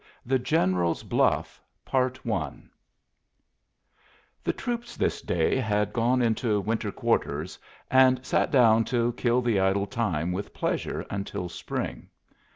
THE GENERAL'S BLUFF The troops this day had gone into winter quarters, and sat down to kill the idle time with pleasure until spring.